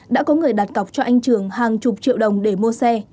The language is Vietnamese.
đã có người đặt cọc cho anh trường hàng chục triệu đồng để mua xe